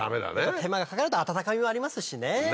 手間がかかると温かみもありますしね。